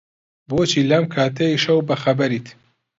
بۆچی لەم کاتەی شەو بەخەبەریت؟